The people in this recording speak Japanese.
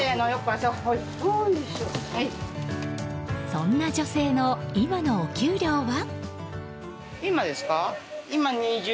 そんな女性の今のお給料は？